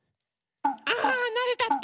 あなれたって。